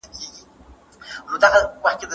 بنسټیزه څېړنه د پراخو مسایلو سره مرسته کوي.